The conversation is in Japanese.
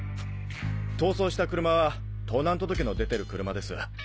逃走した車は盗難届の出てる車です。